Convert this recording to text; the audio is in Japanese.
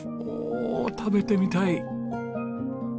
おお食べてみたい！